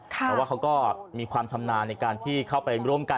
แต่ว่าเขาก็มีความชำนาญในการที่เข้าไปร่วมกัน